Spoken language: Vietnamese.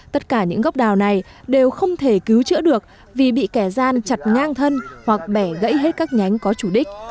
tất cả những gốc đào này đều không thể cứu chữa được vì bị kẻ gian chặt ngang thân hoặc bẻ gãy hết các nhánh có chủ đích